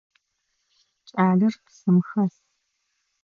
Кӏалэр псым хэс.